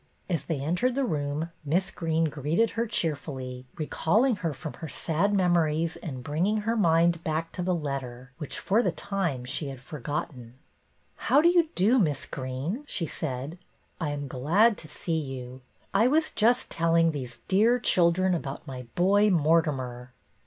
As they entered the room Miss Greene greeted her cheerfully, recalling her from her sad memories and bringing her mind back to the letter which, for the time, she had for gotten. " How do you do. Miss Greene ?" she said. " I am glad to see you. I was just telling these dear children about my boy Mortimer."